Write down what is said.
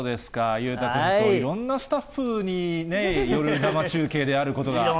裕太君、いろんなスタッフに生中継であることが分かりました。